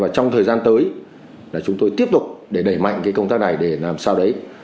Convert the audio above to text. trong thời gian tới chúng tôi tiếp tục để đẩy mạnh công tác này để làm sao đấy